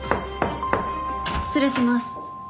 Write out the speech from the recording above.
失礼します。